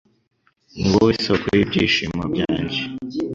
Ni wowe soko y'ibyishimo byanjye